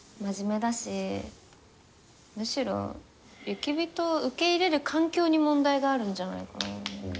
むしろ雪人を受け入れる環境に問題があるんじゃないかな。